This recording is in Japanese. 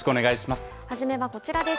初めはこちらです。